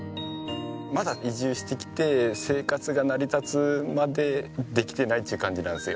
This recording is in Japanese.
まだ移住してきて生活が成り立つまでできてないっていう感じなんですよ。